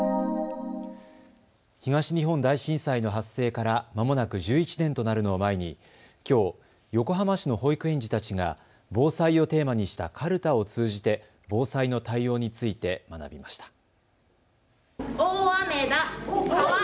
東日本大震災の発生からまもなく１１年となるのを前にきょう横浜市の保育園児たちが防災をテーマにしたかるたを通じて防災の対応について学びました。